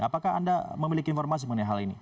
apakah anda memiliki informasi mengenai hal ini